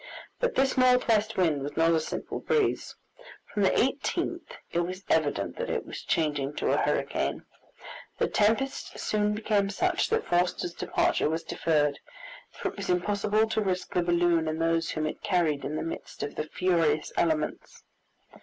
But this northwest wind was not a simple breeze. From the 18th it was evident that it was changing to a hurricane. The tempest soon became such that Forster's departure was deferred, for it was impossible to risk the balloon and those whom it carried in the midst of the furious elements.